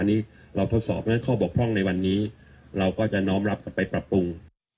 อันนี้เราทดสอบนั้นข้อบกพร่องในวันนี้เราก็จะน้อมรับกลับไปปรับปรุง